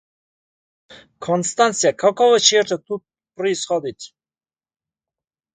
Констанция, какого черта тут происходит?